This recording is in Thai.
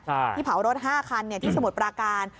ใช่ที่เผารถ๕คันที่สมุทรปราการ